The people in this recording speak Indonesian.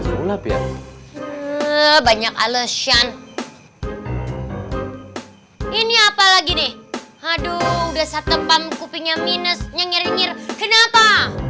sulap ya banyak alesan ini apalagi nih aduh udah satu pang kupingnya minus nyengir kenapa